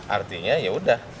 artinya ya sudah